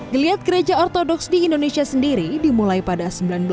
geliat gereja ortodoks di indonesia sendiri dimulai pada seribu sembilan ratus sembilan puluh